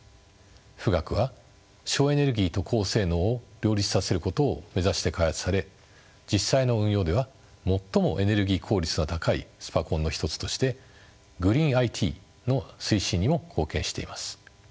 富岳は省エネルギーと高性能を両立させることを目指して開発され実際の運用では最もエネルギー効率の高いスパコンの一つとしてグリーンＩＴの推進にも貢献しています。